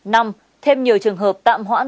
năm thêm nhiều trường hợp tạm hoãn